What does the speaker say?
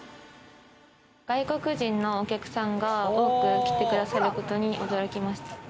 外国人のお客さんが多く来てくださることに驚きました。